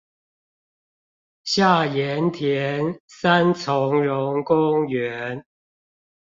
下鹽田三欉榕公園